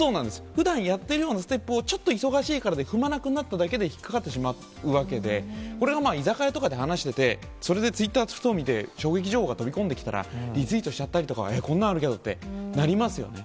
ふだんやってるようなステップを、ちょっと忙しいからで、踏まなくなっただけで、引っ掛かってしまうわけで、これがまあ、居酒屋とかで話してて、それでツイッターふと見て、衝撃情報が飛び込んできたら、リツイートしちゃったりとかは、こんなあるけどって、なりますよね。